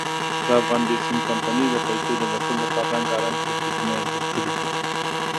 دافغان بېسیم کمپنۍ د پیسو دګټلو ډپاره رنګارنګ پېکېجونه جوړ کړي دي.